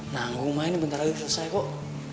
nanggung mah ini bentar lagi selesai kok